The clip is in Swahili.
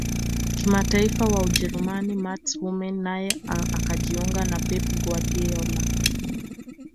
kimataifa wa ujerumani mats hummels naye akajiunga na pep guardiola